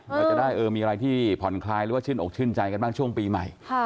เราจะได้มีอะไรที่ผ่อนคลายหรือว่าชื่นอกชื่นใจกันบ้างช่วงปีใหม่